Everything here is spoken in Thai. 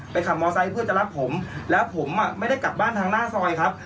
ขับมอไซค์เพื่อจะรับผมแล้วผมอ่ะไม่ได้กลับบ้านทางหน้าซอยครับ